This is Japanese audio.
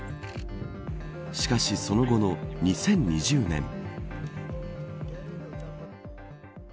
しかし、その後の２０２０年。